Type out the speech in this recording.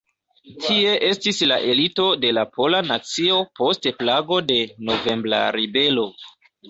Tie estis la elito de pola nacio post plago de "Novembra Ribelo".